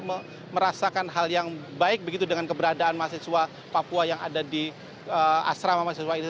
mereka merasakan hal yang baik begitu dengan keberadaan mahasiswa papua yang ada di asrama mahasiswa ini